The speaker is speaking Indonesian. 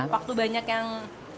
waktu banyak yang